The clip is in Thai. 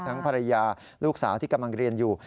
ภรรยาลูกสาวที่กำลังเรียนอยู่